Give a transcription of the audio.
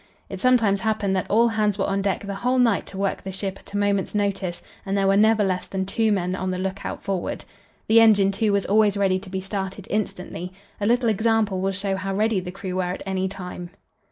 It sometimes happened that all hands were on deck the whole night to work the ship at a moment's notice, and there were never less than two men on the lookout forward. The engine, too, was always ready to be started instantly. A little example will show how ready the crew were at any time.